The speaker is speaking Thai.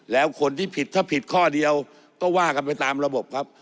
แล้วคนที่ผิดถ้าผิดข้อเดียวก็ว่ากันไปตามระบบครับ